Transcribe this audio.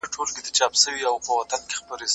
د لمر وړانګې به اول په دوی خپرې شوې